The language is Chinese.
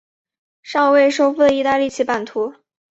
尚未收复的意大利其版图。